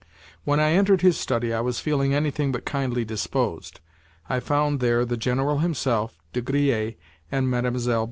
When I entered his study I was feeling anything but kindly disposed. I found there the General himself, De Griers, and Mlle.